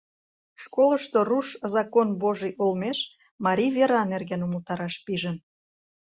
Школышто руш закон божий олмеш марий вера нерген умылтараш пижын.